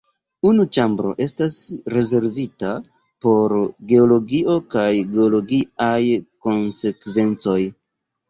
Unu ĉambro estas rezervita por geologio kaj geologiaj konsekvencoj.